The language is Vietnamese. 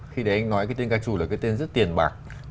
khi đấy anh nói cái tên ca trù là cái tên rất tiền bạc